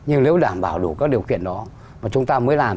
nhưng nếu đảm bảo đủ các điều kiện đó mà chúng ta mới làm